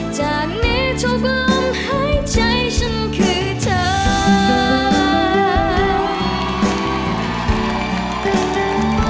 จากนี้เธอก็หายใจฉันคือเธอ